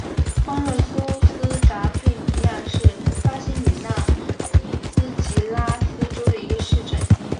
邦热苏斯达佩尼亚是巴西米纳斯吉拉斯州的一个市镇。